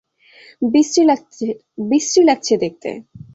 বিশ্রী লাগছে দেখতে।